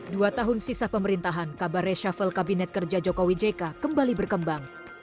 dua tahun sisa pemerintahan kabar reshuffle kabinet kerja jokowi jk kembali berkembang